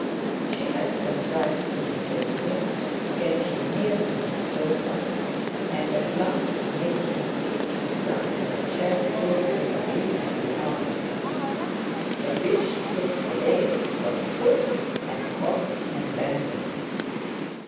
She had contrived to detain him, to bet him near to her sofa, and at last to make him seat himself on a chair close to her beautiful arm. The fish took the bait, was hooked, and caught, and landed.